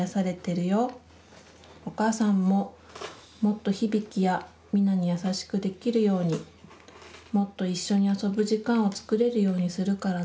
お母さんももっと日々貴やみなに優しくできるようにもっと一緒に遊ぶ時間をつくれるようにするからね。